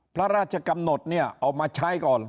พระราชกำหนดเนี่ยเอามาใช้ก่อน